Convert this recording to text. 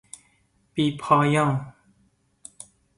بیپایان